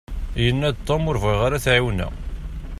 Yanna-d Tom ur yebɣi ara ad t-ɛiwneɣ.